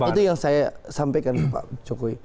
itu yang saya sampaikan ke pak jokowi